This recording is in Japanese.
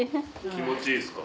気持ちいいですか。